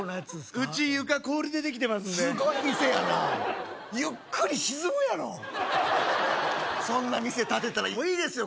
うち床氷でできてますんですごい店やなゆっくり沈むやろそんな店建てたらもういいですよ